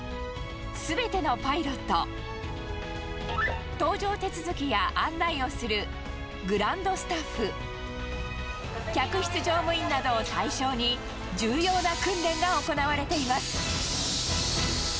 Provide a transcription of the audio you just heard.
すべてのパイロット、搭乗手続きや案内をするグランドスタッフ、客室乗務員などを対象に、重要な訓練が行われています。